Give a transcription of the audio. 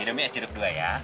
minumnya es jeruk dua ya